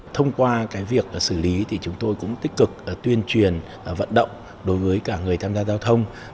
thông qua việc xử lý thì chúng tôi cũng tích cực tuyên truyền vận động đối với cả người tham gia giao thông